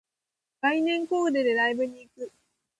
概念コーデでライブに行く